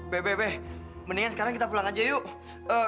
be be be mendingan sekarang kita pulang aja yuk